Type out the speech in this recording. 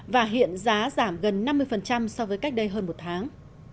và hiện giá giảm gần năm mươi so với cách đây hơn một tháng